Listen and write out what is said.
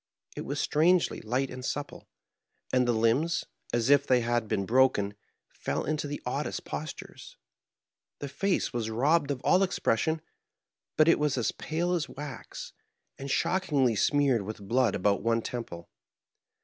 It was strangely light and supple, and the limbs, as if they had been broken, fell into the oddest postures. The face was robbed of all expression ; but it was as pale as wax, and shockingly smeared with blood about one tem ple.